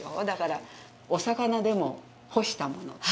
だから、お魚でも干したもの